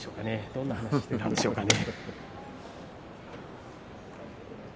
どんな話をしたんでしょうかね。